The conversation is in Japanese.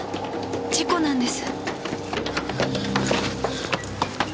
事故なんです。